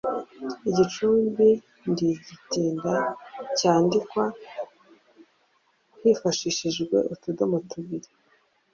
Igicumbi – ndi gitinda cyandikwa hifashishijwe utudomo tubiri: –: